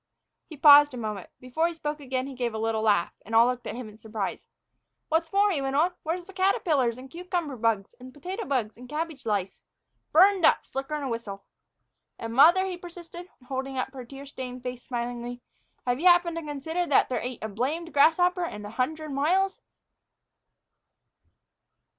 He paused a moment. Before he spoke again he gave a little laugh, and all looked up at him in surprise. "What's more," he went on, "where's the caterpillars and cucumber bugs, and the potato bugs and cabbage lice? Burned up, slicker 'n a whistle. And mother," he persisted, holding up her tear stained face smilingly, "have you happened to consider that there ain't a blamed grasshopper in a hundred miles?"